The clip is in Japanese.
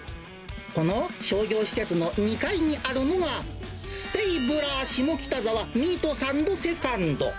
この商業施設の２階にあるのが、ステイブラー・シモキタザワ・ミートサンド・セカンド。